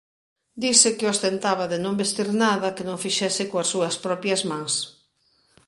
Dise que ostentaba de non vestir nada que non fixese coas súas propias mans.